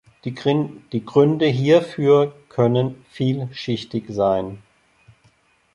Die Gründe hierfür können vielschichtig sein.